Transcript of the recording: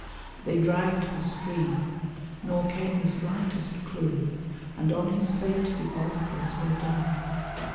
They dragged the stream, nor came the slightest clue, And on his fate the oracles were dumb.